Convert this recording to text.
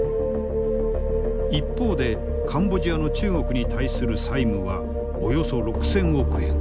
一方でカンボジアの中国に対する債務はおよそ６，０００億円。